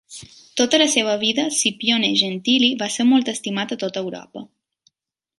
Tota la seva vida, Scipione Gentili va ser molt estimat a tota Europa.